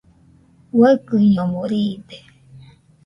Uaikɨñomo riide.